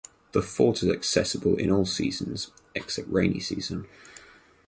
The fort is accessible in all seasons except rainy season.